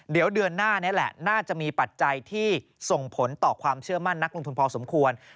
เดี๋ยวเดือนหน้านี้แหละน่าจะมีปัจจัยที่ส่งผลต่อความเชื่อมั่นนักลงทุนพอสมควร